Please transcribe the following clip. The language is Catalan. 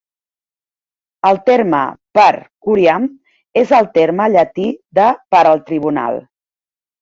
El terme "per curiam" és el terme llatí de "per al tribunal".